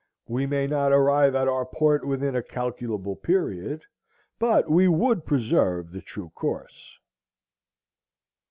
We may not arrive at our port within a calculable period, but we would preserve the true course.